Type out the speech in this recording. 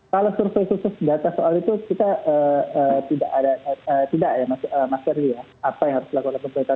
kalau survei khusus data soal itu kita tidak ada masker dia apa yang harus dilakukan oleh pemerintah